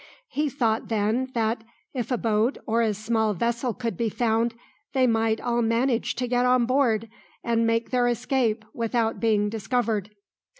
He thought then that if a boat or a small vessel could be found, they might all manage to get on board and make their escape without being discovered.